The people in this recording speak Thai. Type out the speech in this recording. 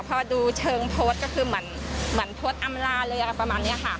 พอดูเชิงโพสต์ก็คือเหมือนโพสต์อำลาเลยอะไรประมาณนี้ค่ะ